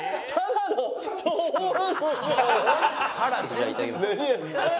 じゃあいただきます。